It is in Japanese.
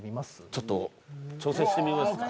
◆ちょっと挑戦してみますか。